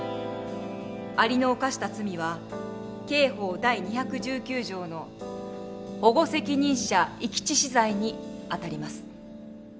アリの犯した罪は刑法第２１９条の保護責任者遺棄致死罪にあたります。